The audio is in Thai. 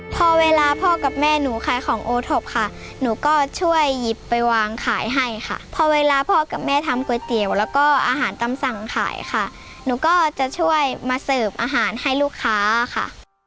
พอเวลาพ่อกับแม่หนูขายของโอท็อปค่ะหนูก็ช่วยหยิบไปวางขายให้ค่ะพอเวลาพ่อกับแม่ทำก๋วยเตี๋ยวแล้วก็อาหารตำสั่งขายค่ะหนูก็จะช่วยมาเสิร์ฟอาหารให้ลูกค้าค่ะ